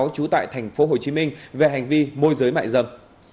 trú tại tp hcm về hành vi môi giới mại dâm